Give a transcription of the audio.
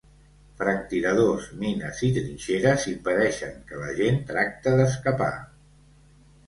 Franctiradors, mines i trinxeres impedeixen que la gent tracte d'escapar.